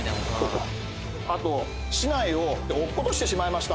うんあと竹刀を落っことしてしまいました